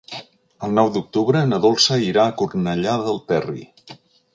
El nou d'octubre na Dolça irà a Cornellà del Terri.